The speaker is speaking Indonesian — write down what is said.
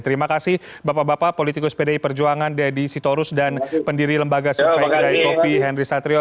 terima kasih bapak bapak politikus pdi perjuangan deddy sitorus dan pendiri lembaga survei kedai kopi henry satrio